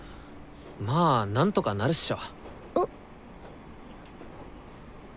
まあなんとかなるっしょ。